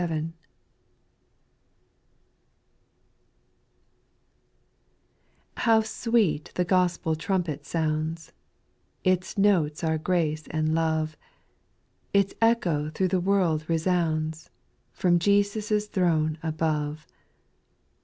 TTOW sweet the Gospel trumpet sounds I XX Its notes are grace and love ; Its echo through the world resounds From Jesus' throne above.